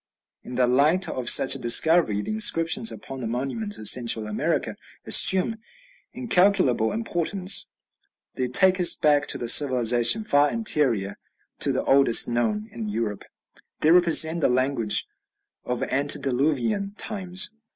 In the light of such a discovery the inscriptions upon the monuments of Central America assume incalculable importance; they take us back to a civilization far anterior to the oldest known in Europe; they represent the language of antediluvian times.